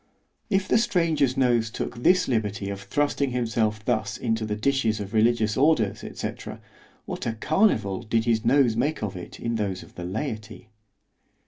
If the stranger's nose took this liberty of thrusting himself thus into the dishes of religious orders, &c. what a carnival did his nose make of it, in those of the laity!